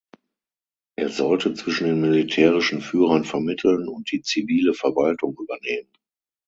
Er sollte zwischen den militärischen Führern vermitteln und die zivile Verwaltung übernehmen.